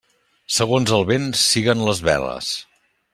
Segons el vent siguen les veles.